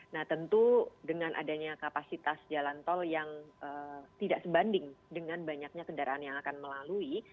nah tentu dengan adanya kapasitas jalan tol yang tidak sebanding dengan banyaknya kendaraan yang akan melalui